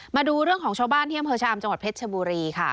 มาดูเรื่องของชาวบ้านที่อำเภอชะอำจังหวัดเพชรชบุรีค่ะ